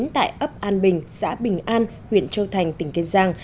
tại ấp an bình xã bình an huyện châu thành tỉnh kiên giang